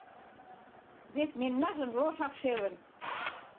Вет мемнажын лошак шелын».